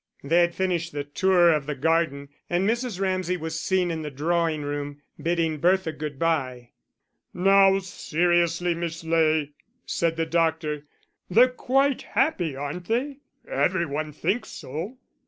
They had finished the tour of the garden and Mrs. Ramsay was seen in the drawing room, bidding Bertha good by. "Now, seriously, Miss Ley," said the doctor, "they're quite happy, aren't they? Every one thinks so."